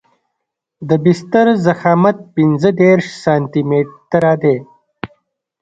د بستر ضخامت پنځه دېرش سانتي متره دی